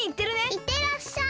いってらっしゃい！